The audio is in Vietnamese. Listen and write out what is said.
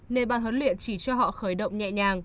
nên ban huấn luyện chỉ cho họ khởi động nhẹ nhàng